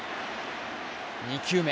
２球目。